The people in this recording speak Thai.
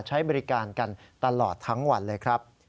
ใช้บริการกันตลอดทั้งวันเลยครับ